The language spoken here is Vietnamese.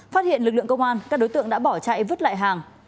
phát hiện lực lượng công an các đối tượng đã bỏ chạy vứt lại hàng